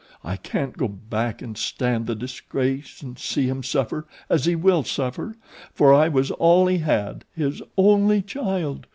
I can't go back and stand the disgrace and see him suffer, as he will suffer, for I was all he had his only child.